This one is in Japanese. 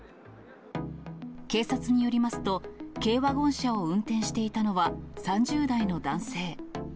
警察によりますと、軽ワゴン車を運転していたのは３０代の男性。